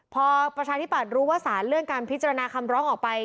พอประชาธิบัตย์รู้ว่าสารเลื่อนการพิจารณาคำร้องออกไป